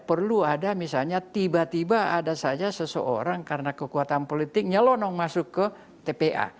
perlu ada misalnya tiba tiba ada saja seseorang karena kekuatan politiknya lonong masuk ke tpa